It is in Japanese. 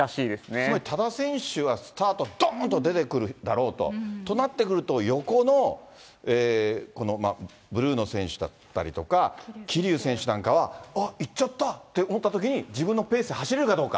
つまり、多田選手はスタートどーんと出てくるだろうと。となってくると、横のこのブルーの選手だったりとか、桐生選手なんかは、あっ、行っちゃったって思ったときに、自分のペースで走れるかどうか。